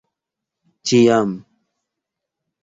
ĉiam